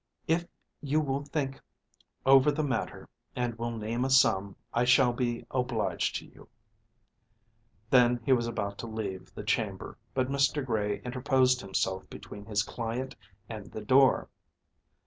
If you will think over the matter, and will name a sum, I shall be obliged to you." Then he was about to leave the chamber, but Mr. Gray interposed himself between his client and the door.